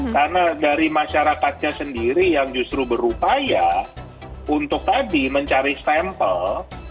karena dari masyarakatnya sendiri yang justru berupaya untuk tadi mencari sampel